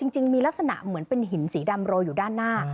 จริงมีลักษณะเหมือนเป็นหินสีดำโรยอยู่ด้านหน้า